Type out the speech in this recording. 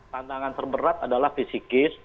tantangan terberat adalah fisikis